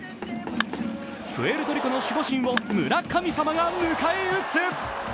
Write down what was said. プエルトリコの守護神を村神様が迎え撃つ。